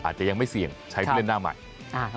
อาจจะยังไม่เสี่ยงใช้ผู้เล่นหน้าใหม่